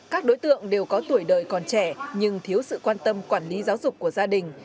các đối tượng đều có tuổi đời còn trẻ nhưng thiếu sự quan tâm quản lý giáo dục của gia đình